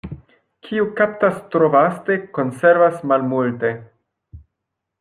Kiu kaptas tro vaste, konservas malmulte.